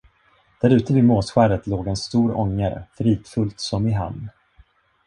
Därute vid Måsskäret låg en stor ångare, fridfullt som i hamn.